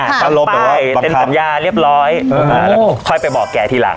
มั่นไกลเลยอ่าไปเป็นสัญญาเรียบร้อยอ่าแล้วก็ค่อยไปบอกแกทีหลัง